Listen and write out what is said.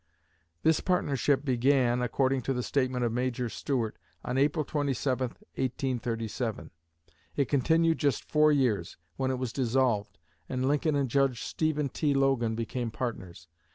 This partnership began, according to the statement of Major Stuart, on April 27, 1837. It continued just four years, when it was dissolved, and Lincoln and Judge Stephen T. Logan became partners.